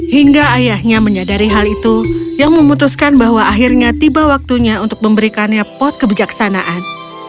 hingga ayahnya menyadari hal itu yang memutuskan bahwa akhirnya tiba waktunya untuk memberikannya pot kebijaksanaan